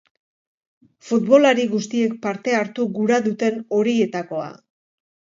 Futbolari guztiek parte hartu gura duten horietakoa.